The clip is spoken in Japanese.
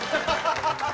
ハハハッ。